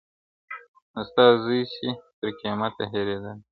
نه ستا زوی سي تر قیامته هېرېدلای..